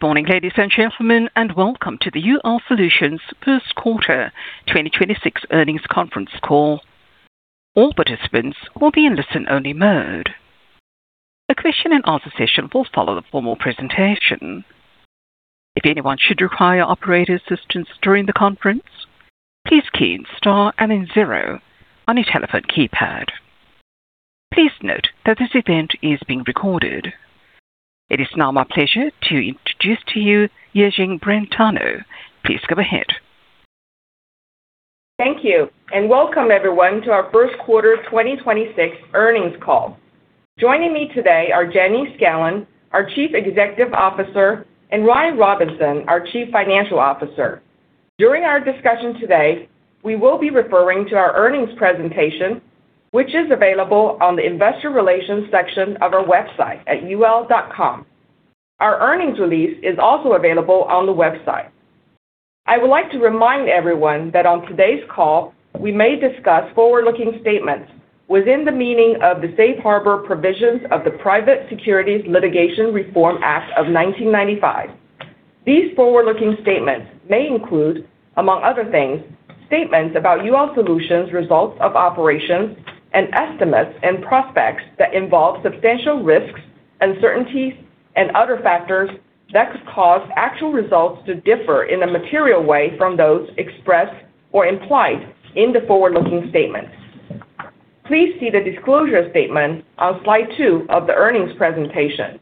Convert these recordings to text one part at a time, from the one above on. Good morning, ladies and gentlemen, and welcome to the UL Solutions first quarter 2026 earnings conference call. All participants will be in listen-only mode. A question-and-answer session will follow the formal presentation. If anyone should require operator assistance during the conference, please key in star and then zero on your telephone keypad. Please note that this event is being recorded. It is now my pleasure to introduce to you Yijing Brentano. Please go ahead. Thank you. Welcome everyone to our first quarter 2026 earnings call. Joining me today are Jenny Scanlon, our Chief Executive Officer, and Ryan Robinson, our Chief Financial Officer. During our discussion today, we will be referring to our earnings presentation, which is available on the Investor Relations section of our website at ul.com. Our earnings release is also available on the website. I would like to remind everyone that on today's call, we may discuss forward-looking statements within the meaning of the safe harbor provisions of the Private Securities Litigation Reform Act of 1995. These forward-looking statements may include, among other things, statements about UL Solutions results of operations and estimates and prospects that involve substantial risks, uncertainties, and other factors that could cause actual results to differ in a material way from those expressed or implied in the forward-looking statements. Please see the disclosure statement on slide two of the earnings presentation,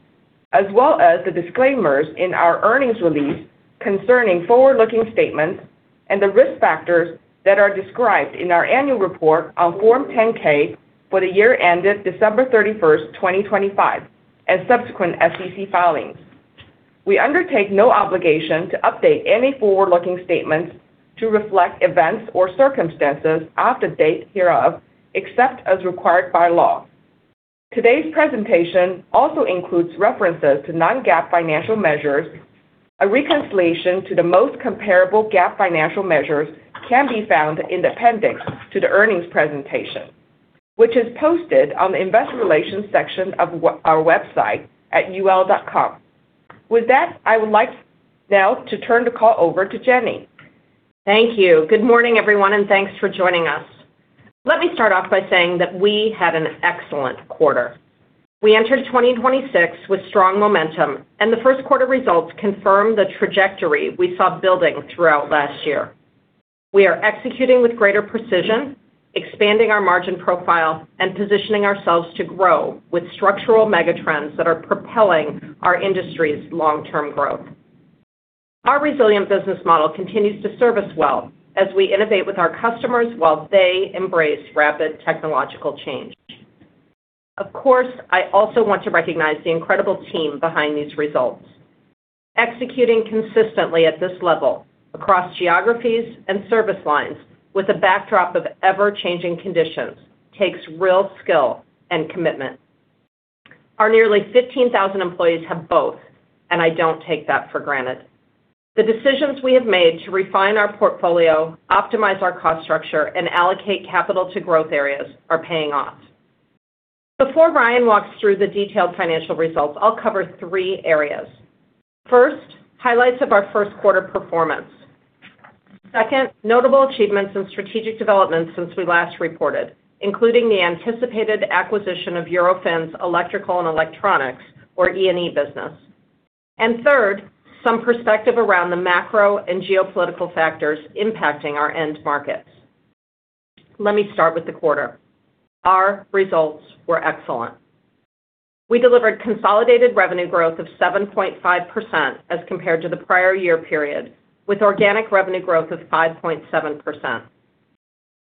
as well as the disclaimers in our earnings release concerning forward-looking statements and the risk factors that are described in our annual report on Form 10-K for the year ended December 31st, 2025, and subsequent SEC filings. We undertake no obligation to update any forward-looking statements to reflect events or circumstances after date hereof, except as required by law. Today's presentation also includes references to non-GAAP financial measures. A reconciliation to the most comparable GAAP financial measures can be found in the appendix to the earnings presentation, which is posted on the investor relations section of our website at ul.com. With that, I would like now to turn the call over to Jenny. Thank you. Good morning, everyone, and thanks for joining us. Let me start off by saying that we had an excellent quarter. We entered 2026 with strong momentum. The first quarter results confirm the trajectory we saw building throughout last year. We are executing with greater precision, expanding our margin profile, and positioning ourselves to grow with structural megatrends that are propelling our industry's long-term growth. Our resilient business model continues to serve us well as we innovate with our customers while they embrace rapid technological change. Of course, I also want to recognize the incredible team behind these results. Executing consistently at this level across geographies and service lines with a backdrop of ever-changing conditions takes real skill and commitment. Our nearly 15,000 employees have both. I don't take that for granted. The decisions we have made to refine our portfolio, optimize our cost structure, and allocate capital to growth areas are paying off. Before Ryan walks through the detailed financial results, I'll cover three areas. First, highlights of our first quarter performance. Second, notable achievements and strategic developments since we last reported, including the anticipated acquisition of Eurofins Electrical and Electronics, or E&E business. Third, some perspective around the macro and geopolitical factors impacting our end markets. Let me start with the quarter. Our results were excellent. We delivered consolidated revenue growth of 7.5% as compared to the prior year period, with organic revenue growth of 5.7%.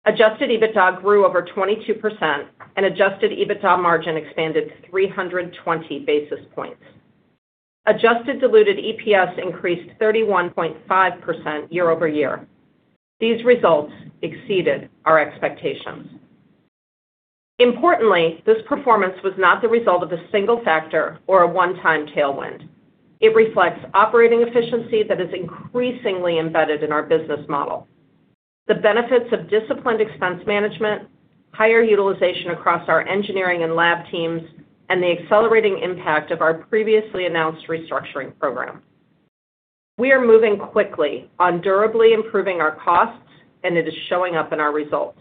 Adjusted EBITDA grew over 22%, and adjusted EBITDA margin expanded 320 basis points. Adjusted diluted EPS increased 31.5% year-over-year. These results exceeded our expectations. Importantly, this performance was not the result of a single factor or a one-time tailwind. It reflects operating efficiency that is increasingly embedded in our business model, the benefits of disciplined expense management, higher utilization across our engineering and lab teams, and the accelerating impact of our previously announced restructuring program. We are moving quickly on durably improving our costs, and it is showing up in our results.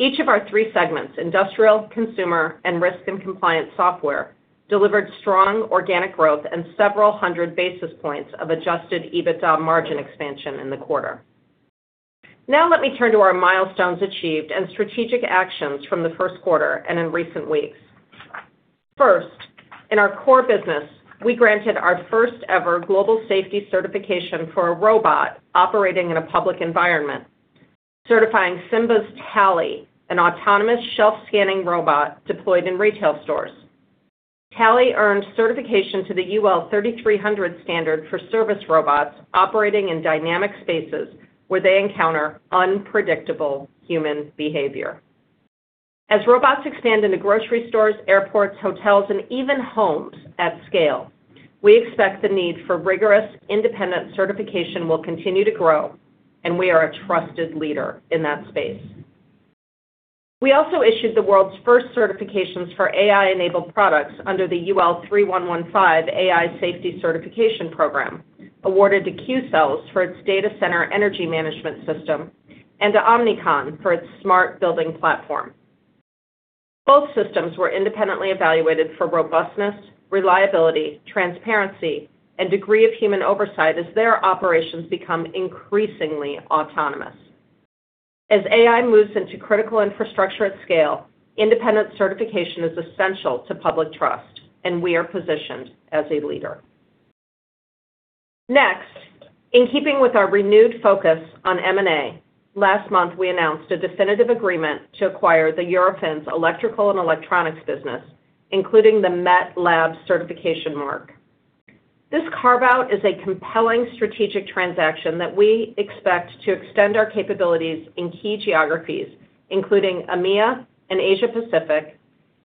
Each of our three segments, Industrial, Consumer, and Risk and Compliance Software, delivered strong organic growth and several hundred basis points of adjusted EBITDA margin expansion in the quarter. Now, let me turn to our milestones achieved and strategic actions from the first quarter and in recent weeks. First, in our core business, we granted our first-ever global safety certification for a robot operating in a public environment, certifying Simbe's Tally, an autonomous shelf-scanning robot deployed in retail stores. Tally earned certification to the UL 3300 standard for service robots operating in dynamic spaces where they encounter unpredictable human behavior. As robots expand into grocery stores, airports, hotels, and even homes at scale, we expect the need for rigorous independent certification will continue to grow, and we are a trusted leader in that space. We also issued the world's first certifications for AI-enabled products under the UL 3115 AI safety certification program, awarded to Qcells for its data center energy management system and to Omniconn for its smart building platform. Both systems were independently evaluated for robustness, reliability, transparency, and degree of human oversight as their operations become increasingly autonomous. As AI moves into critical infrastructure at scale, independent certification is essential to public trust, and we are positioned as a leader. In keeping with our renewed focus on M&A, last month, we announced a definitive agreement to acquire the Eurofins Electrical and Electronics business, including the MET lab certification mark. This carve-out is a compelling strategic transaction that we expect to extend our capabilities in key geographies, including EMEA and Asia Pacific,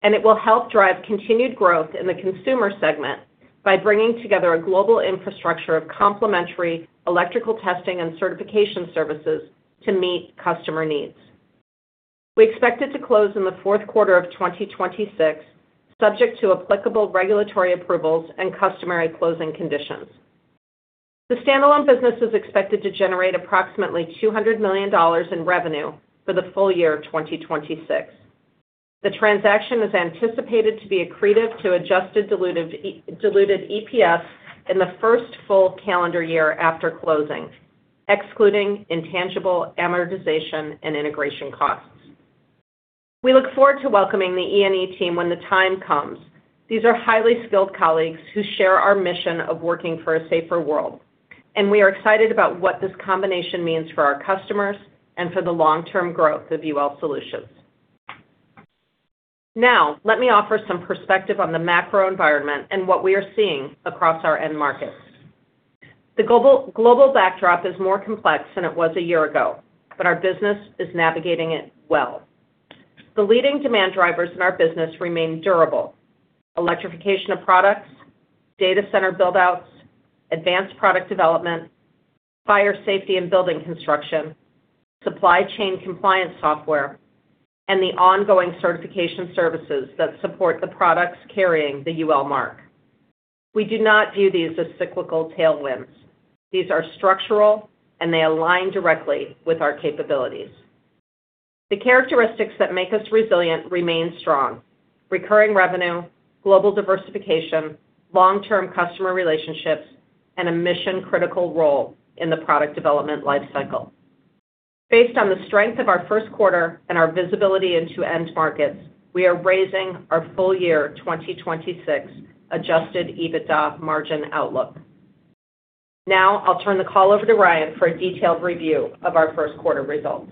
and it will help drive continued growth in the Consumer segment by bringing together a global infrastructure of complementary electrical testing and certification services to meet customer needs. We expect it to close in the fourth quarter of 2026, subject to applicable regulatory approvals and customary closing conditions. The standalone business is expected to generate approximately $200 million in revenue for the full year of 2026. The transaction is anticipated to be accretive to adjusted diluted EPS in the first full calendar year after closing, excluding intangible amortization and integration costs. We look forward to welcoming the E&E team when the time comes. These are highly skilled colleagues who share our mission of working for a safer world, and we are excited about what this combination means for our customers and for the long-term growth of UL Solutions. Let me offer some perspective on the macro environment and what we are seeing across our end markets. The global backdrop is more complex than it was a year ago, but our business is navigating it well. The leading demand drivers in our business remain durable. Electrification of products, data center build-outs, advanced product development, fire safety and building construction, supply chain compliance software, and the ongoing certification services that support the products carrying the UL mark. We do not view these as cyclical tailwinds. These are structural, and they align directly with our capabilities. The characteristics that make us resilient remain strong. Recurring revenue, global diversification, long-term customer relationships, and a mission-critical role in the product development life cycle. Based on the strength of our first quarter and our visibility into end markets, we are raising our full year 2026 adjusted EBITDA margin outlook. Now, I'll turn the call over to Ryan for a detailed review of our first quarter results.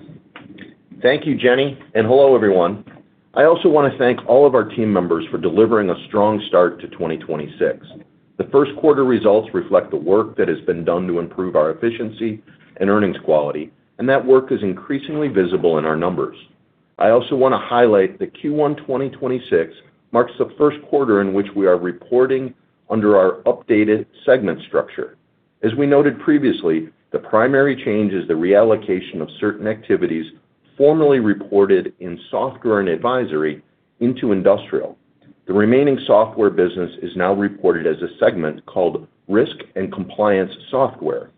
Thank you, Jenny, and hello, everyone. I also want to thank all of our team members for delivering a strong start to 2026. The first quarter results reflect the work that has been done to improve our efficiency and earnings quality, and that work is increasingly visible in our numbers. I also want to highlight that Q1 2026 marks the first quarter in which we are reporting under our updated segment structure. As we noted previously, the primary change is the reallocation of certain activities formerly reported in Software and Advisory into Industrial. The remaining software business is now reported as a segment called Risk and Compliance Software.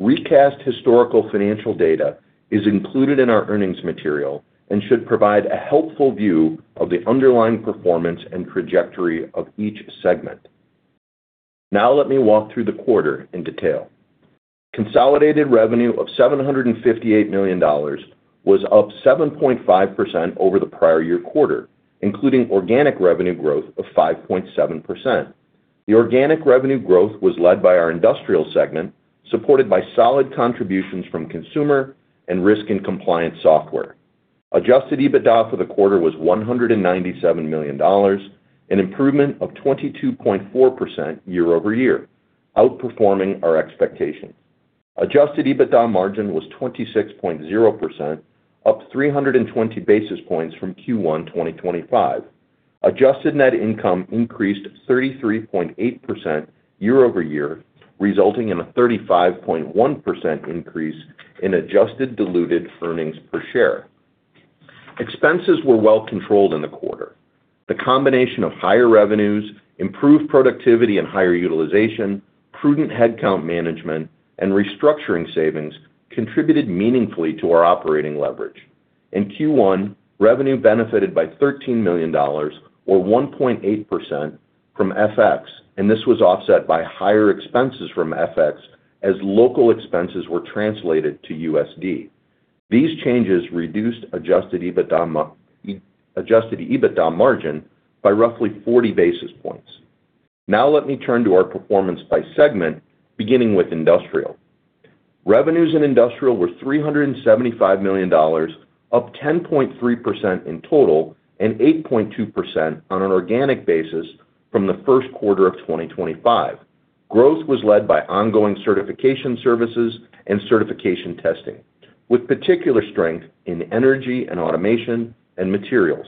Recast historical financial data is included in our earnings material and should provide a helpful view of the underlying performance and trajectory of each segment. Now, let me walk through the quarter in detail. Consolidated revenue of $758 million was up 7.5% over the prior-year quarter, including organic revenue growth of 5.7%. The organic revenue growth was led by our Industrial segment, supported by solid contributions from Consumer and Risk and Compliance Software. Adjusted EBITDA for the quarter was $197 million, an improvement of 22.4% year-over-year, outperforming our expectations. Adjusted EBITDA margin was 26.0%, up 320 basis points from Q1 2025. Adjusted net income increased 33.8% year-over-year, resulting in a 35.1% increase in adjusted diluted earnings per share. Expenses were well controlled in the quarter. The combination of higher revenues, improved productivity and higher utilization, prudent headcount management, and restructuring savings contributed meaningfully to our operating leverage. In Q1, revenue benefited by $13 million or 1.8% from FX. This was offset by higher expenses from FX as local expenses were translated to USD. These changes reduced adjusted EBITDA margin by roughly 40 basis points. Now, let me turn to our performance by segment, beginning with Industrial. Revenues in Industrial were $375 million, up 10.3% in total and 8.2% on an organic basis from the first quarter of 2025. Growth was led by ongoing certification services and certification testing, with particular strength in energy and automation and materials.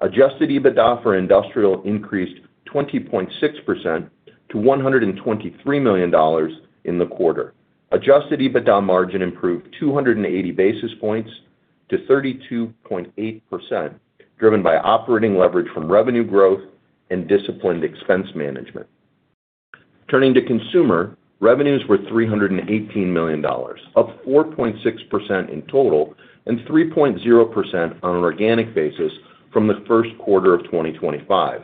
Adjusted EBITDA for Industrial increased 20.6% to $123 million in the quarter. Adjusted EBITDA margin improved 280 basis points to 32.8%, driven by operating leverage from revenue growth and disciplined expense management. Turning to Consumer, revenues were $318 million, up 4.6% in total and 3.0% on an organic basis from the first quarter of 2025.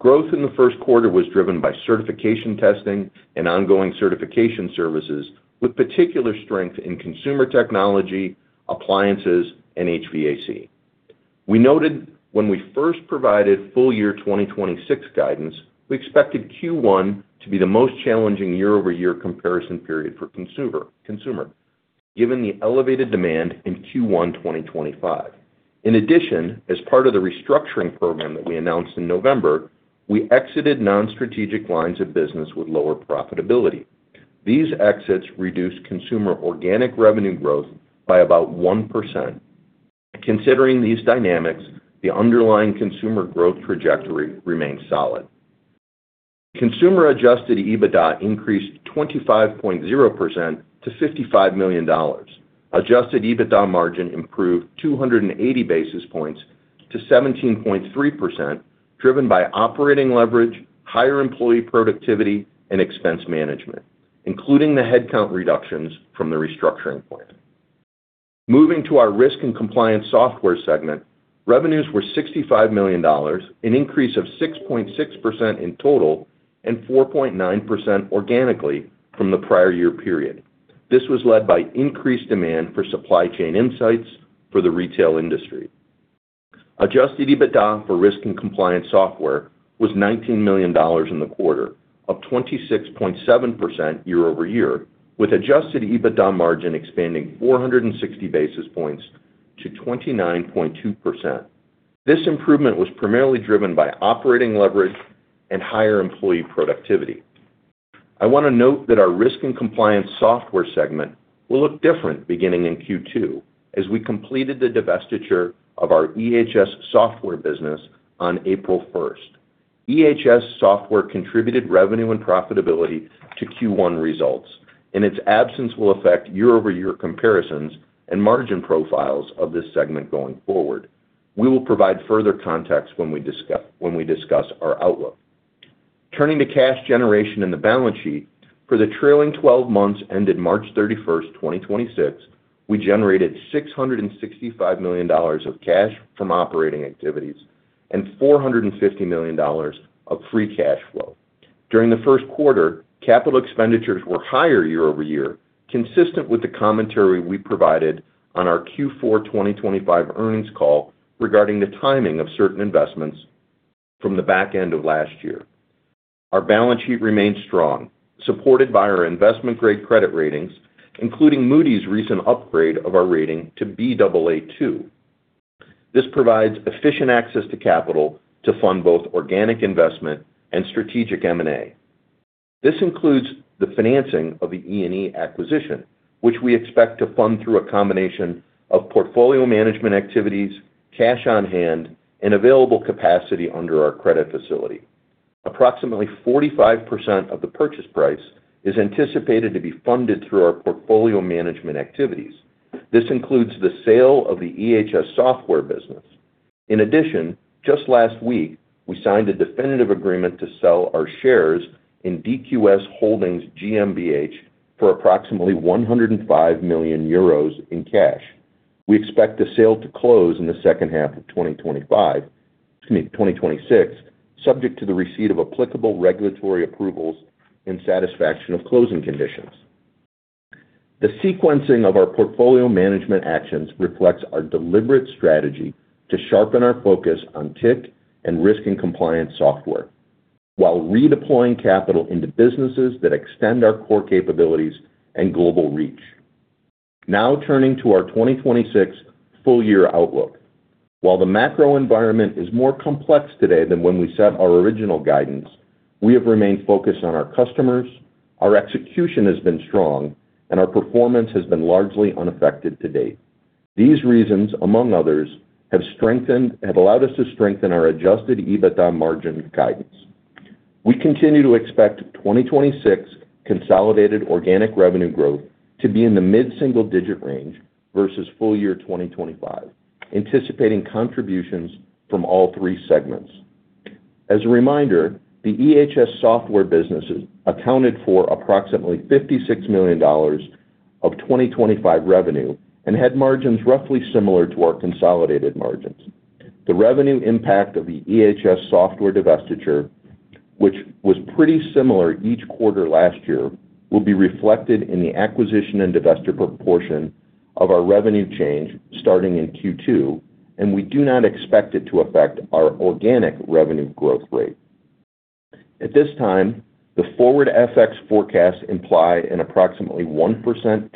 Growth in the first quarter was driven by certification testing and ongoing certification services, with particular strength in consumer technology, appliances and HVAC. We noted when we first provided full year 2026 guidance, we expected Q1 to be the most challenging year-over-year comparison period for Consumer, given the elevated demand in Q1 2025. As part of the restructuring program that we announced in November, we exited non-strategic lines of business with lower profitability. These exits reduced Consumer organic revenue growth by about 1%. Considering these dynamics, the underlying Consumer growth trajectory remains solid. Consumer adjusted EBITDA increased 25.0% to $55 million. Adjusted EBITDA margin improved 280 basis points to 17.3%, driven by operating leverage, higher employee productivity and expense management, including the headcount reductions from the restructuring plan. Moving to our Risk and Compliance Software segment, revenues were $65 million, an increase of 6.6% in total and 4.9% organically from the prior year period. This was led by increased demand for supply chain insights for the retail industry. Adjusted EBITDA for Risk and Compliance Software was $19 million in the quarter, up 26.7% year-over-year, with adjusted EBITDA margin expanding 460 basis points to 29.2%. This improvement was primarily driven by operating leverage and higher employee productivity. I want to note that our Risk and Compliance Software segment will look different beginning in Q2 as we completed the divestiture of our EHS software business on April 1st. Its absence will affect year-over-year comparisons and margin profiles of this segment going forward. We will provide further context when we discuss our outlook. Turning to cash generation and the balance sheet. For the trailing 12 months ended March 31st, 2026, we generated $665 million of cash from operating activities and $450 million of free cash flow. During the first quarter, capital expenditures were higher year-over-year, consistent with the commentary we provided on our Q4 2025 earnings call regarding the timing of certain investments from the back end of last year. Our balance sheet remains strong, supported by our investment-grade credit ratings, including Moody's recent upgrade of our rating to Baa2. This provides efficient access to capital to fund both organic investment and strategic M&A. This includes the financing of the E&E acquisition, which we expect to fund through a combination of portfolio management activities, cash on hand and available capacity under our credit facility. Approximately 45% of the purchase price is anticipated to be funded through our portfolio management activities. This includes the sale of the EHS software business. In addition, just last week, we signed a definitive agreement to sell our shares in DQS Holdings GmbH for approximately 105 million euros in cash. We expect the sale to close in the second half of 2025, excuse me, 2026, subject to the receipt of applicable regulatory approvals and satisfaction of closing conditions. The sequencing of our portfolio management actions reflects our deliberate strategy to sharpen our focus on TIC and Risk and Compliance Software, while redeploying capital into businesses that extend our core capabilities and global reach. Turning to our 2026 full year outlook. While the macro environment is more complex today than when we set our original guidance, we have remained focused on our customers, our execution has been strong and our performance has been largely unaffected to date. These reasons, among others, have allowed us to strengthen our adjusted EBITDA margin guidance. We continue to expect 2026 consolidated organic revenue growth to be in the mid-single digit range versus full year 2025, anticipating contributions from all three segments. As a reminder, the EHS software businesses accounted for approximately $56 million of 2025 revenue and had margins roughly similar to our consolidated margins. The revenue impact of the EHS software divestiture, which was pretty similar each quarter last year, will be reflected in the acquisition and divesture proportion of our revenue change starting in Q2. We do not expect it to affect our organic revenue growth rate. At this time, the forward FX forecasts imply an approximately 1%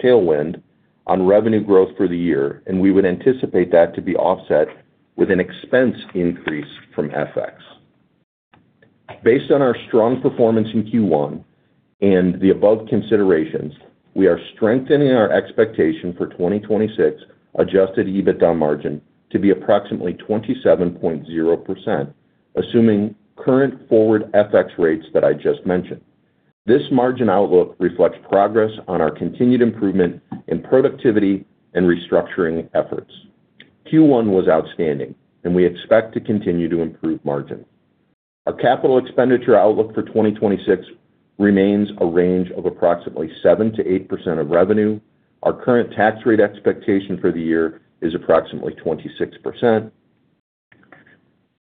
tailwind on revenue growth for the year, and we would anticipate that to be offset with an expense increase from FX. Based on our strong performance in Q1 and the above considerations, we are strengthening our expectation for 2026 adjusted EBITDA margin to be approximately 27.0%, assuming current forward FX rates that I just mentioned. This margin outlook reflects progress on our continued improvement in productivity and restructuring efforts. Q1 was outstanding, and we expect to continue to improve margin. Our capital expenditure outlook for 2026 remains a range of approximately 7%-8% of revenue. Our current tax rate expectation for the year is approximately 26%.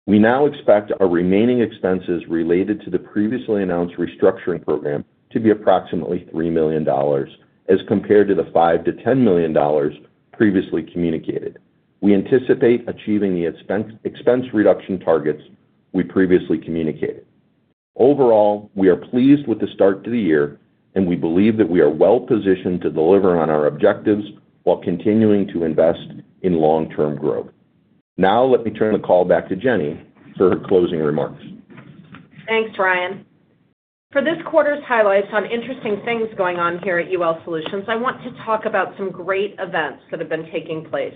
We now expect our remaining expenses related to the previously announced restructuring program to be approximately $3 million as compared to the $5 million-$10 million previously communicated. We anticipate achieving the expense reduction targets we previously communicated. Overall, we are pleased with the start to the year, and we believe that we are well-positioned to deliver on our objectives while continuing to invest in long-term growth. Now, let me turn the call back to Jenny for her closing remarks. Thanks, Ryan. For this quarter's highlights on interesting things going on here at UL Solutions, I want to talk about some great events that have been taking place.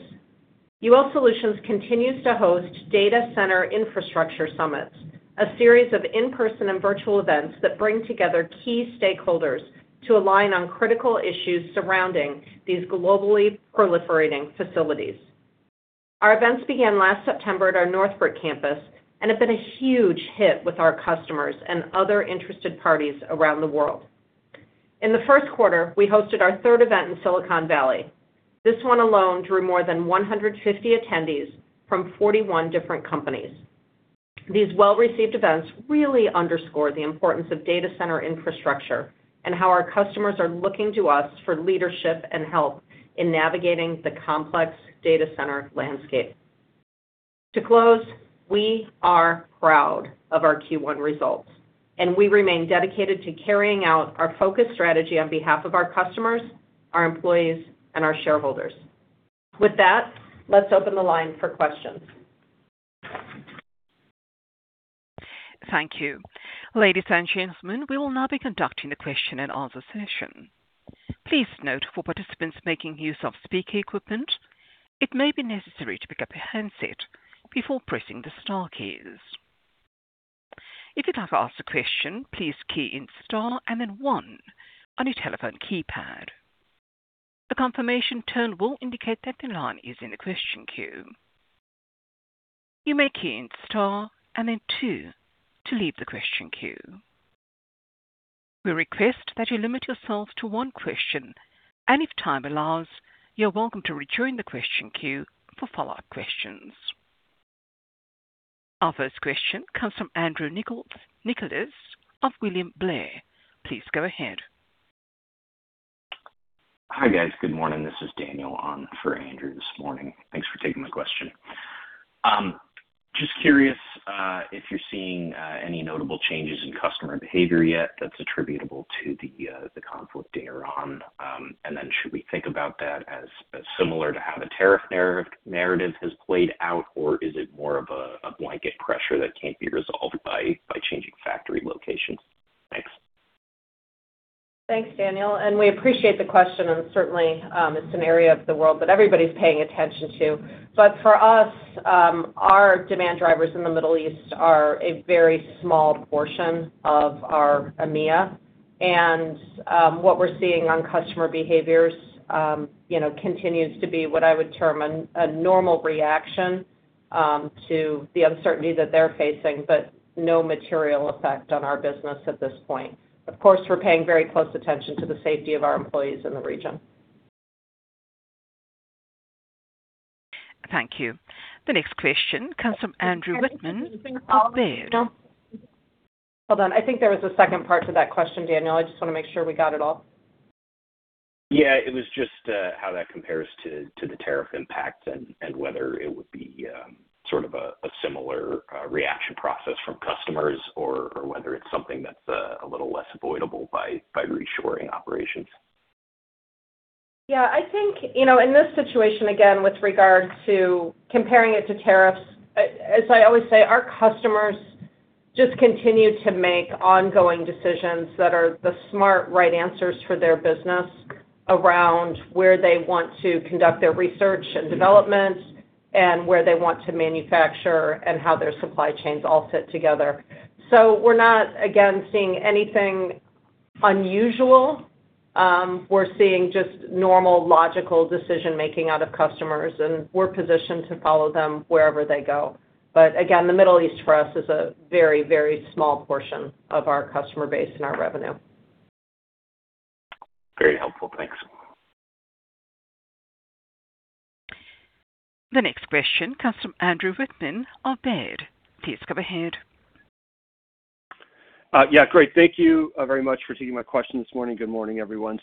UL Solutions continues to host data center infrastructure summits, a series of in-person and virtual events that bring together key stakeholders to align on critical issues surrounding these globally proliferating facilities. Our events began last September at our Northbrook campus and have been a huge hit with our customers and other interested parties around the world. In the first quarter, we hosted our third event in Silicon Valley. This one alone drew more than 150 attendees from 41 different companies. These well-received events really underscore the importance of data center infrastructure and how our customers are looking to us for leadership and help in navigating the complex data center landscape. To close, we are proud of our Q1 results, and we remain dedicated to carrying out our focused strategy on behalf of our customers, our employees, and our shareholders. With that, let's open the line for questions. Thank you. Ladies and gentlemen, we will now be conducting the question-and-answer session. Our first question comes from Andrew Nicholas of William Blair. Please go ahead. Hi, guys. Good morning. This is Daniel Maxwell on for Andrew this morning. Thanks for taking my question. Just curious, if you're seeing any notable changes in customer behavior yet that's attributable to the conflict in Iran, then should we think about that as similar to how the tariff narrative has played out, or is it more of a blanket pressure that can't be resolved by changing factory locations? Thanks. Thanks, Daniel. We appreciate the question, and certainly, it's an area of the world that everybody's paying attention to. For us, our demand drivers in the Middle East are a very small portion of our EMEA, and what we're seeing on customer behaviors, you know, continues to be what I would term a normal reaction to the uncertainty that they're facing, but no material effect on our business at this point. Of course, we're paying very close attention to the safety of our employees in the region. Thank you. The next question comes from Andrew Wittmann of Baird. Hold on. I think there was a second part to that question, Daniel. I just wanna make sure we got it all. Yeah. It was just how that compares to the tariff impact and whether it would be sort of a similar reaction process from customers or whether it's something that's a little less avoidable by reshoring operations. Yeah. I think, you know, in this situation, again, with regards to comparing it to tariffs, as I always say, our customers just continue to make ongoing decisions that are the smart, right answers for their business around where they want to conduct their research and development and where they want to manufacture and how their supply chains all fit together. We're not, again, seeing anything unusual. We're seeing just normal, logical decision-making out of customers, and we're positioned to follow them wherever they go. Again, the Middle East for us is a very, very small portion of our customer base and our revenue. Very helpful. Thanks. The next question comes from Andrew Wittmann of Baird. Please go ahead. Yeah. Great. Thank you very much for taking my question this morning. Good morning, everyone.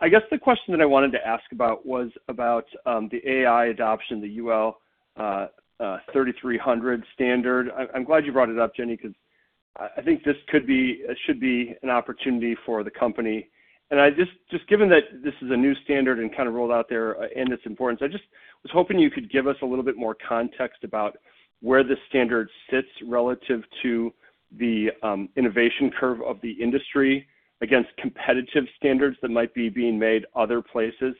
I guess the question that I wanted to ask about was about the AI adoption, the UL 3300 standard. I'm glad you brought it up, Jenny. I think it should be an opportunity for the company. I just given that this is a new standard and kind of rolled out there and its importance, I just was hoping you could give us a little bit more context about where the standard sits relative to the innovation curve of the industry against competitive standards that might be being made other places.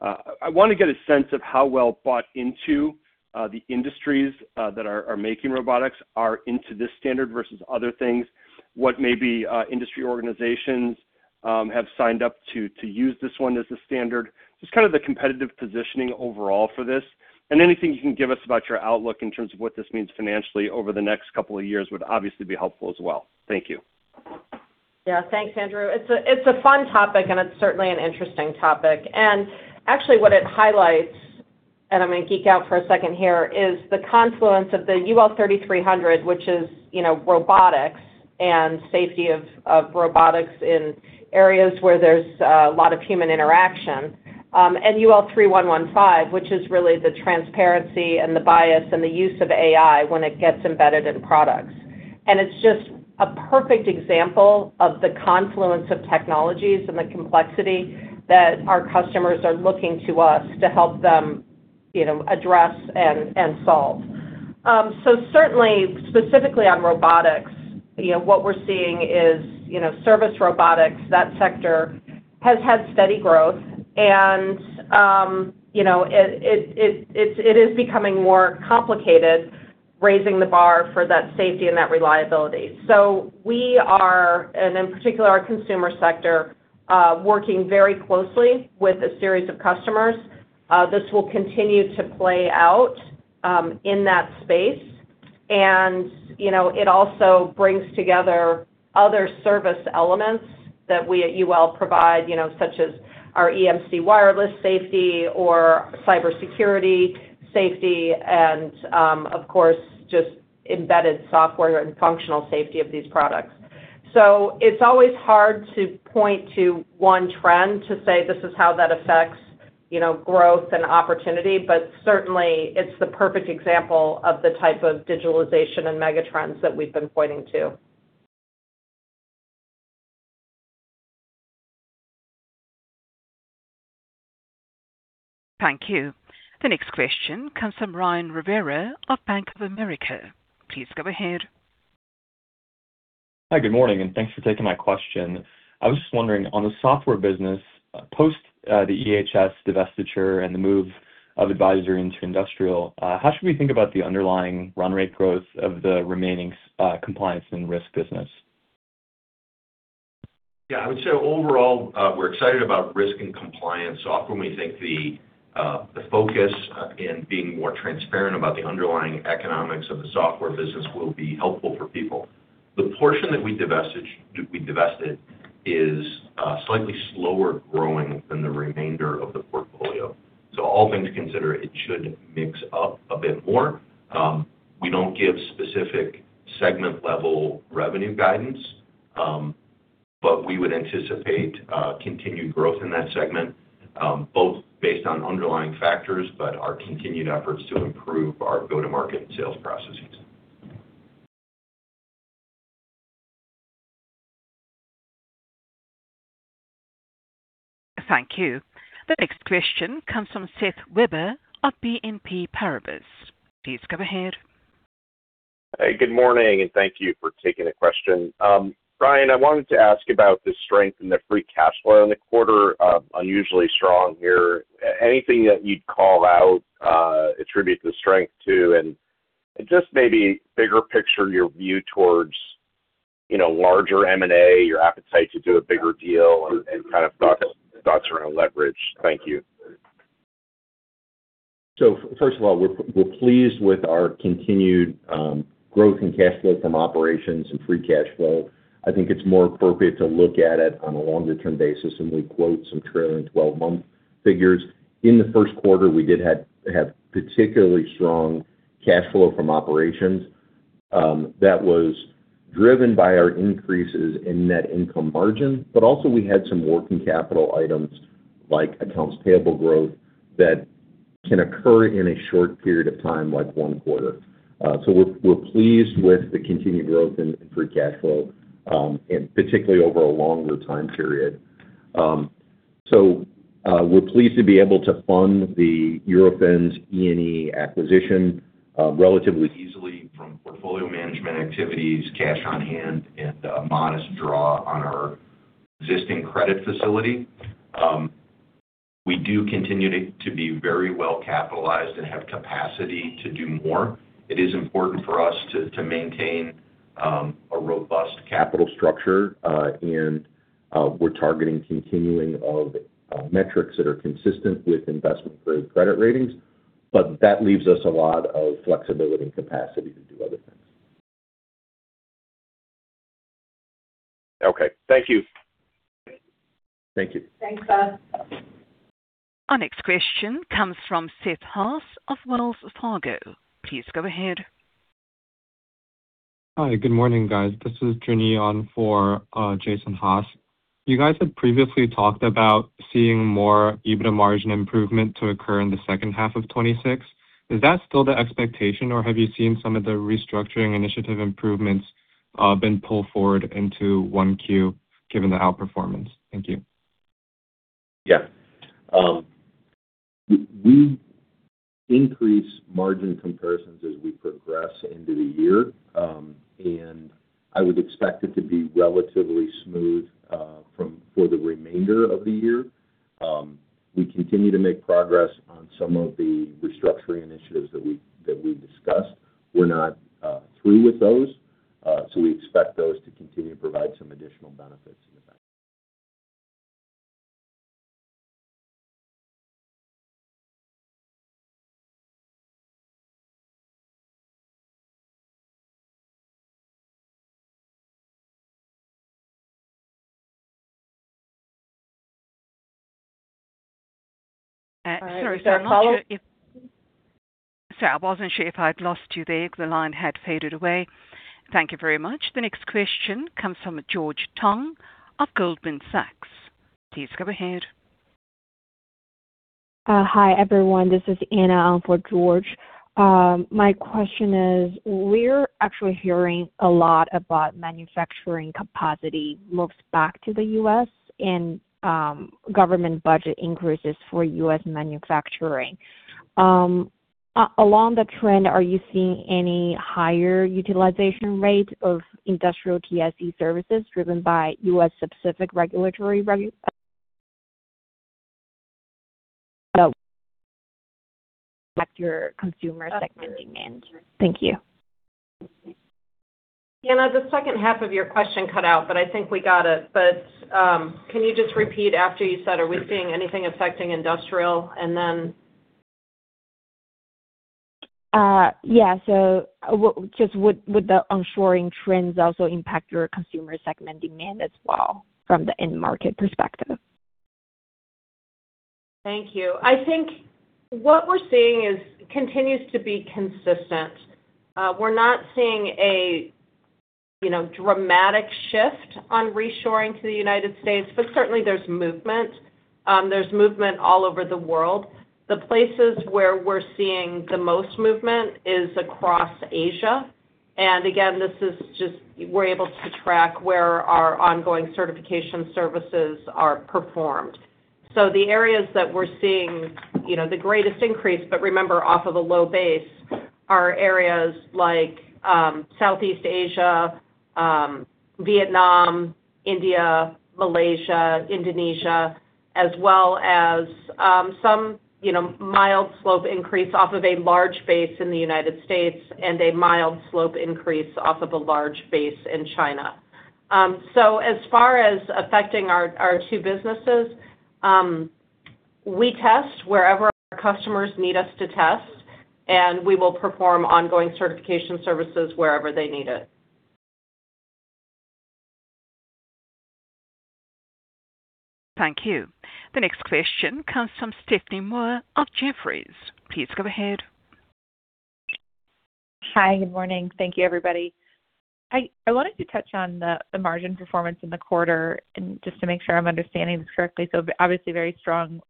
I wanna get a sense of how well bought into the industries that are making robotics are into this standard versus other things. What maybe industry organizations have signed up to use this one as a standard. Just kind of the competitive positioning overall for this. Anything you can give us about your outlook in terms of what this means financially over the next couple of years would obviously be helpful as well. Thank you. Yeah. Thanks, Andrew. It's a, it's a fun topic, and it's certainly an interesting topic. Actually, what it highlights, and I'm gonna geek out for a second here, is the confluence of the UL 3300, which is, you know, robotics and safety of robotics in areas where there's a lot of human interaction. UL 3115, which is really the transparency and the bias and the use of AI when it gets embedded in products. It's just a perfect example of the confluence of technologies and the complexity that our customers are looking to us to help them, you know, address and solve. Certainly specifically on robotics, you know, what we're seeing is, you know, service robotics, that sector has had steady growth. You know, it is becoming more complicated, raising the bar for that safety and that reliability. We are, and in particular our Consumer sector, working very closely with a series of customers. This will continue to play out in that space. You know, it also brings together other service elements that we at UL provide, you know, such as our EMC wireless safety or cybersecurity safety and, of course, just embedded software and functional safety of these products. It's always hard to point to one trend to say this is how that affects, you know, growth and opportunity, but certainly it's the perfect example of the type of digitalization and mega trends that we've been pointing to. Thank you. The next question comes from Ryan Rivera of Bank of America. Please go ahead. Hi. Good morning, and thanks for taking my question. I was just wondering, on the software business, post the EHS divestiture and the move of Advisory into Industrial, how should we think about the underlying run rate growth of the remaining Compliance and Risk business? Yeah. I would say overall, we're excited about Risk and Compliance. Often we think the focus in being more transparent about the underlying economics of the software business will be helpful for people. The portion that we divested is slightly slower growing than the remainder of the portfolio. All things considered, it should mix up a bit more. We don't give specific segment-level revenue guidance, but we would anticipate continued growth in that segment, both based on underlying factors, but our continued efforts to improve our go-to-market sales processes. Thank you. The next question comes from Seth Weber of BNP Paribas. Please go ahead. Hey, good morning, thank you for taking the question. Ryan, I wanted to ask about the strength in the free cash flow in the quarter, unusually strong here. Anything that you'd call out, attribute the strength to? Just maybe bigger picture, your view towards, you know, larger M&A, your appetite to do a bigger deal and kind of thoughts around leverage. Thank you. First of all, we're pleased with our continued growth in cash flow from operations and free cash flow. I think it's more appropriate to look at it on a longer-term basis, and we quote some trailing 12-month figures. In the first quarter, we did have particularly strong cash flow from operations, that was driven by our increases in net income margin. Also we had some working capital items like accounts payable growth that can occur in a short period of time, like one quarter. We're pleased with the continued growth in free cash flow, and particularly over a longer time period. We're pleased to be able to fund the Eurofins E&E acquisition relatively easily from portfolio management activities, cash on hand, and a modest draw on our existing credit facility. We do continue to be very well capitalized and have capacity to do more. It is important for us to maintain a robust capital structure and we're targeting continuing metrics that are consistent with investment-grade credit ratings. That leaves us a lot of flexibility and capacity to do other things. Okay. Thank you. Thank you. Thanks, Seth. Our next question comes from Jason Haas of Wells Fargo. Please go ahead. Hi, good morning, guys. This is Jun-Yi on for Jason Haas. You guys have previously talked about seeing more EBITDA margin improvement to occur in the second half of 2026. Is that still the expectation or have you seen some of the restructuring initiative improvements been pulled forward into 1Q given the outperformance? Thank you. Yeah. We increase margin comparisons as we progress into the year. I would expect it to be relatively smooth for the remainder of the year. We continue to make progress on some of the restructuring initiatives that we discussed. We're not through with those, so we expect those to continue to provide some additional benefits in the back. Sorry, I wasn't sure if I'd lost you there. The line had faded away. Thank you very much. The next question comes from George Tong of Goldman Sachs. Please go ahead. Hi, everyone. This is Anna Wu on for George. My question is: We're actually hearing a lot about manufacturing capacity moves back to the U.S. and government budget increases for U.S. manufacturing. Along the trend, are you seeing any higher utilization rate of Industrial TIC services driven by U.S.-specific regulatory [inaudible] your Consumer segment demand? Thank you. Anna, the second half of your question cut out, but I think we got it. Can you just repeat after you said, "Are we seeing anything affecting Industrial?" And then? Yeah. Would the onshoring trends also impact your Consumer segment demand as well from the end market perspective? Thank you. I think what we're seeing is, continues to be consistent. We're not seeing a, you know, dramatic shift on reshoring to the U.S., but certainly there's movement. There's movement all over the world. The places where we're seeing the most movement is across Asia. Again, this is just we're able to track where our ongoing certification services are performed. The areas that we're seeing, you know, the greatest increase, but remember, off of a low base, are areas like Southeast Asia, Vietnam, India, Malaysia, Indonesia, as well as some, you know, mild slope increase off of a large base in the U.S. and a mild slope increase off of a large base in China. As far as affecting our two businesses, we test wherever our customers need us to test, and we will perform ongoing certification services wherever they need it. Thank you. The next question comes from Stephanie Moore of Jefferies. Please go ahead. Hi. Good morning. Thank you, everybody. I wanted to touch on the margin performance in the quarter and just to make sure I'm understanding this correctly. Obviously very strong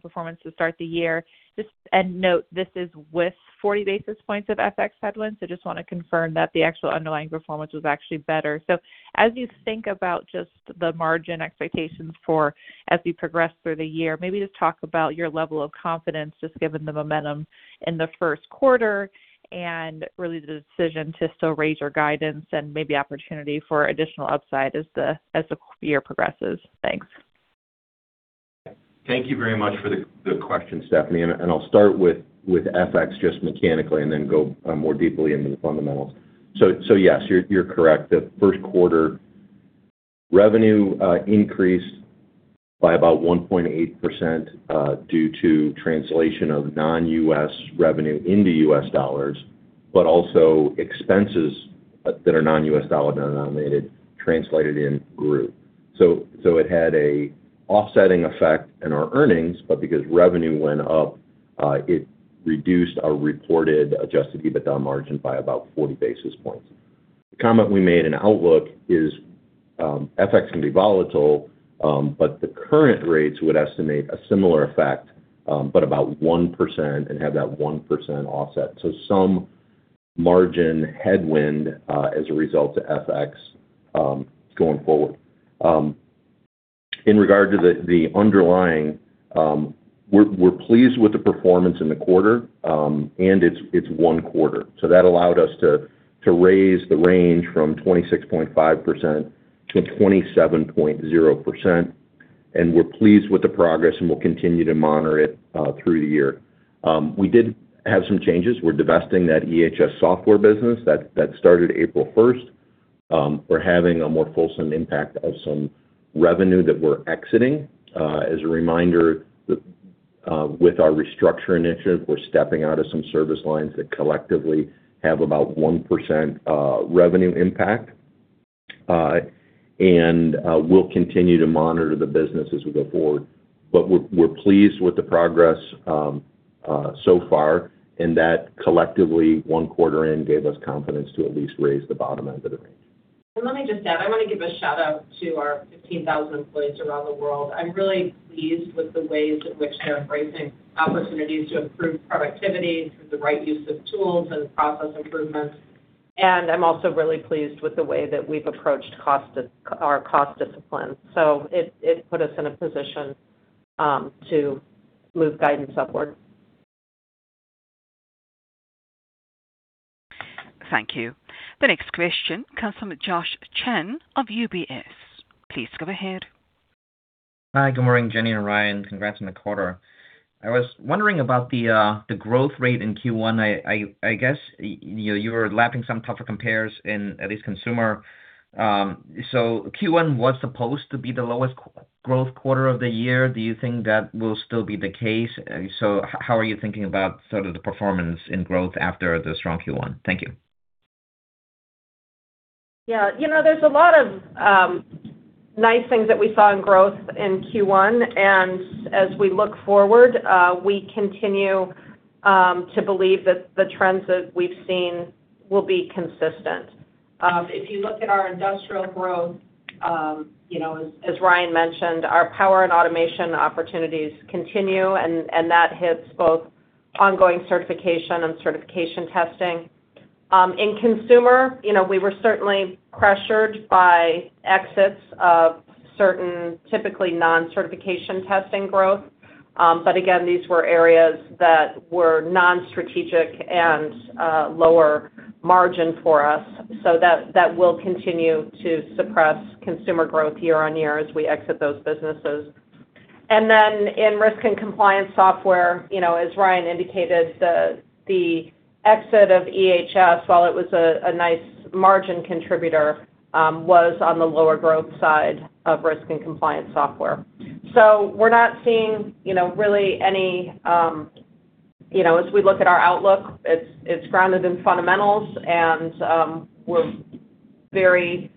performance to start the year. Note, this is with 40 basis points of FX headwinds, so just wanna confirm that the actual underlying performance was actually better. As you think about just the margin expectations for as we progress through the year, maybe just talk about your level of confidence, just given the momentum in the first quarter and really the decision to still raise your guidance and maybe opportunity for additional upside as the year progresses. Thanks. Thank you very much for the question, Stephanie. I'll start with FX just mechanically and then go more deeply into the fundamentals. Yes, you're correct. The first quarter revenue increased by about 1.8% due to translation of non-U.S. revenue into U.S. dollars, but also expenses that are non-U.S. dollar denominated translated in grew. It had a offsetting effect in our earnings, but because revenue went up, it reduced our reported adjusted EBITDA margin by about 40 basis points. The comment we made in outlook is, FX can be volatile, but the current rates would estimate a similar effect, but about 1% and have that 1% offset. Some margin headwind as a result of FX going forward. In regard to the underlying, we're pleased with the performance in the quarter, it's one quarter. That allowed us to raise the range from 26.5% to 27.0%. We're pleased with the progress, we'll continue to monitor it through the year. We did have some changes. We're divesting that EHS software business that started April 1st. We're having a more fulsome impact of some revenue that we're exiting. As a reminder that with our restructuring initiative, we're stepping out of some service lines that collectively have about 1% revenue impact. We'll continue to monitor the business as we go forward. We're pleased with the progress, so far, and that collectively one quarter in gave us confidence to at least raise the bottom end of the range. Let me just add, I want to give a shout-out to our 15,000 employees around the world. I'm really pleased with the ways in which they're embracing opportunities to improve productivity through the right use of tools and process improvements. I'm also really pleased with the way that we've approached our cost discipline. It put us in a position to move guidance upward. Thank you. The next question comes from Josh Chan of UBS. Please go ahead. Hi. Good morning, Jenny and Ryan. Congrats on the quarter. I was wondering about the growth rate in Q1. I guess you're lapping some tougher compares in, at least Consumer. Q1 was supposed to be the lowest growth quarter of the year. Do you think that will still be the case? How are you thinking about sort of the performance in growth after the strong Q1? Thank you. Yeah. You know, there's a lot of nice things that we saw in growth in Q1. As we look forward, we continue to believe that the trends that we've seen will be consistent. If you look at our Industrial growth, you know, as Ryan mentioned, our power and automation opportunities continue and that hits both ongoing certification and certification testing. In Consumer, you know, we were certainly pressured by exits of certain typically non-certification testing growth. Again, these were areas that were non-strategic and lower margin for us. That will continue to suppress Consumer growth year-on-year as we exit those businesses. Then in Risk and Compliance Software, you know, as Ryan indicated, the exit of EHS, while it was a nice margin contributor, was on the lower growth side of Risk and Compliance Software. We're not seeing, you know, really any, you know, as we look at our outlook, it's grounded in fundamentals and we're very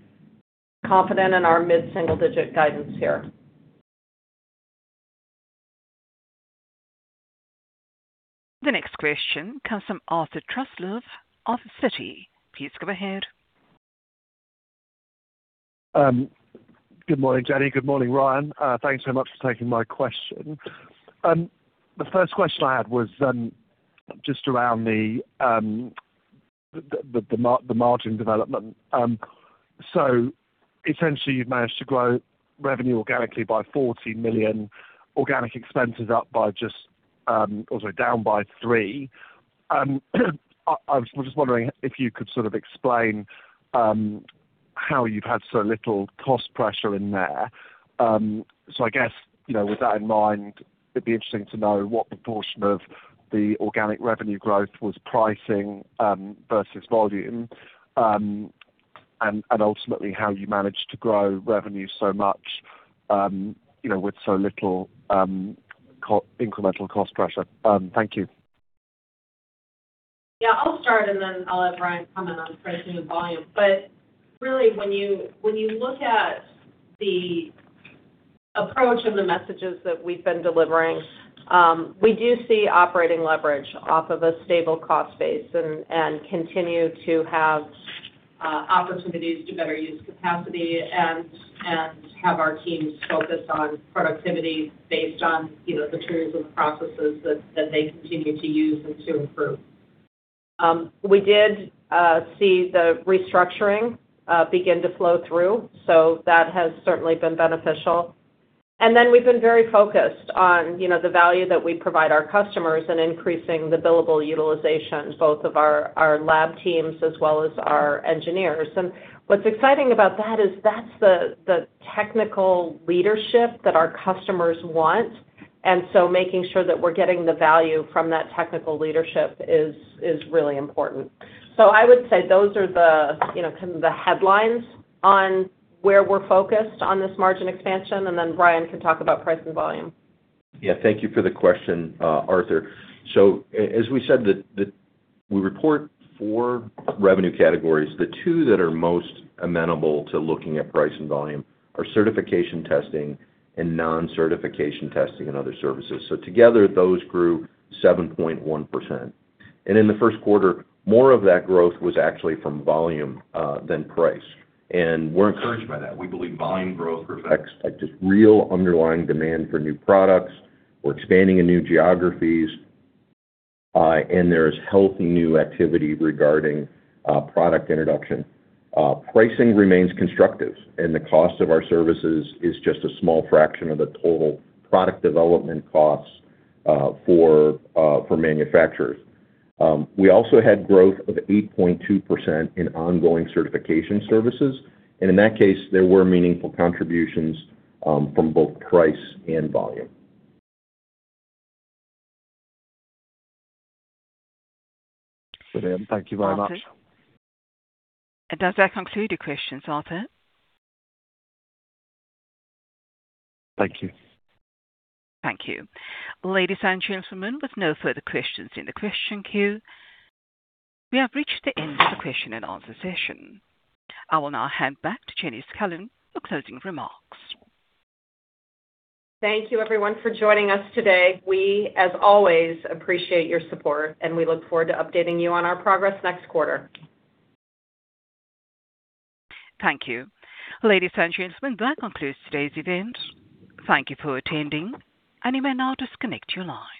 confident in our mid-single-digit guidance here. The next question comes from Arthur Truslove of Citi. Please go ahead. Good morning, Jenny. Good morning, Ryan. Thanks so much for taking my question. The first question I had was just around the margin development. Essentially you've managed to grow revenue organically by $40 million, organic expenses up by just, or sorry, down by $3 million. I was just wondering if you could sort of explain how you've had so little cost pressure in there. I guess, you know, with that in mind, it'd be interesting to know what proportion of the organic revenue growth was pricing versus volume, and ultimately how you managed to grow revenue so much, you know, with so little incremental cost pressure. Thank you Yeah, I'll start, and then I'll have Ryan comment on pricing and volume. Really when you look at the approach of the messages that we've been delivering, we do see operating leverage off of a stable cost base and continue to have opportunities to better use capacity and have our teams focused on productivity based on, you know, the tools and processes that they continue to use and to improve. We did see the restructuring begin to flow through, so that has certainly been beneficial. We've been very focused on, you know, the value that we provide our customers and increasing the billable utilization, both of our lab teams as well as our engineers. What's exciting about that is that's the technical leadership that our customers want, and so making sure that we're getting the value from that technical leadership is really important. I would say those are the, you know, kind of the headlines on where we're focused on this margin expansion, and then Ryan can talk about price and volume. Yeah. Thank you for the question, Arthur. As we said, we report 4 revenue categories. The two that are most amenable to looking at price and volume are certification testing and non-certification testing and other services. Together, those grew 7.1%. In the first quarter, more of that growth was actually from volume than price. We're encouraged by that. We believe volume growth reflects, like, just real underlying demand for new products. We're expanding in new geographies, and there is healthy new activity regarding product introduction. Pricing remains constructive, and the cost of our services is just a small fraction of the total product development costs for manufacturers. We also had growth of 8.2% in ongoing certification services. In that case, there were meaningful contributions from both price and volume. Brilliant. Thank you very much. Arthur, does that conclude your questions, Arthur? Thank you. Thank you. Ladies and gentlemen, with no further questions in the question queue, we have reached the end of the question-and-answer session. I will now hand back to Jenny Scanlon for closing remarks. Thank you, everyone, for joining us today. We, as always, appreciate your support, and we look forward to updating you on our progress next quarter. Thank you. Ladies and gentlemen, that concludes today's event. Thank you for attending, and you may now disconnect your lines.